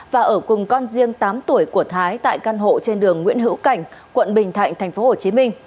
và ở cùng con riêng tám tuổi của thái tại căn hộ trên đường nguyễn hữu cảnh quận bình thạnh tp hcm